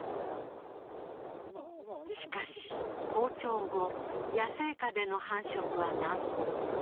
しかし放鳥後、野生下での繁殖は難航。